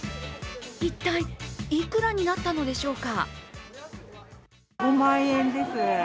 一体、いくらになったのでしょうか。